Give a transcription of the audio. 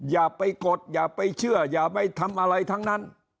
อย่าไปกดอย่าไปเชื่ออย่าไปทำอะไรทั้งนั้น